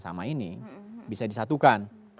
sama ini bisa disatukan